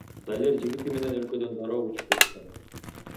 Далер жигити менен өлкөдөн дароо учуп кетишкен.